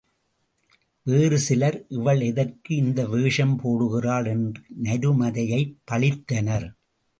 வேறு சிலர், இவள் எதற்கு இந்த வேஷம் போடுகிறாள்? என்று நருமதையைப் பழித்தனர்.